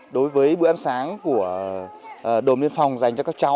đối với bữa ăn sáng của đồn biên phòng dành cho các cháu